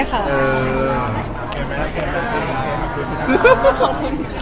ขอบคุณครับ